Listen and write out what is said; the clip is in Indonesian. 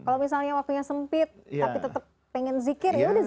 kalau misalnya waktunya sempit tapi tidak ada apa apa bahan yang bisa kita beri kepada allah